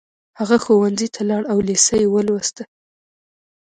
هغه ښوونځي ته لاړ او لېسه يې ولوسته